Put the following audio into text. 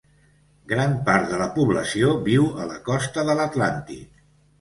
Gran part de la població viu a la costa de l'Atlàntic.